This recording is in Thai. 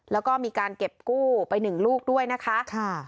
แล้วก็มีการเก็บกู้ไป๑ลูกด้วยนะคะ